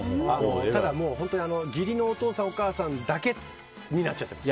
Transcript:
ただ、本当に義理のお父さんお母さんだけになっちゃってます。